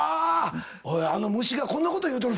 あのむしがこんなこと言うとるぞ。